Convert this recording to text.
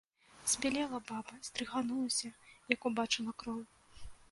Збялела баба, здрыганулася, як убачыла кроў.